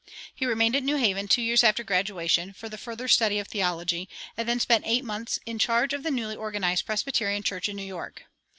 He remained at New Haven two years after graduation, for the further study of theology, and then spent eight months in charge of the newly organized Presbyterian church in New York.